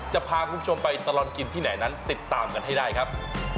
จะพาคุณผู้ชมไปตลอดกินที่ไหนนั้นติดตามกันให้ได้ครับ